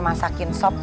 kalau pak rt ikut takut